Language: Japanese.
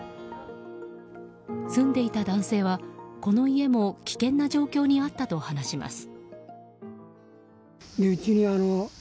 住んでいた男性はこの家も危険な状況にあったと話します。